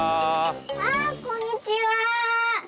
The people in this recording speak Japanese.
あこんにちは。